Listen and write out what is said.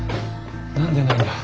何でないんだ。